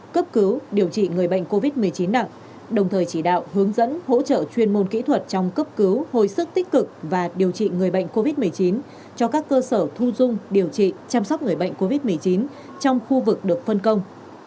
cấp cứu điều trị người bệnh covid một mươi chín nặng đồng thời chỉ đạo hướng dẫn hỗ trợ chuyên môn kỹ thuật trong cấp cứu hồi sức tích cực và điều trị người bệnh covid một mươi chín cho các cơ sở thu dung điều trị chăm sóc người bệnh covid một mươi chín trong khu vực được phân công